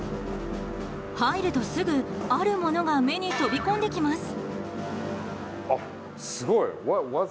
入るとすぐ、あるものが目に飛び込んできます。